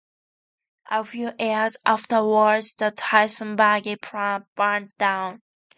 A few years afterwards, the Tyson Buggy plant burned down.